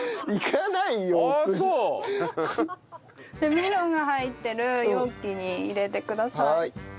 メロンが入ってる容器に入れてください。